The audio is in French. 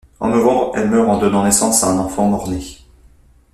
En novembre, elle meurt en donnant naissance à un enfant mort-né.